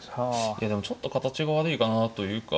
いやでもちょっと形が悪いかなというか。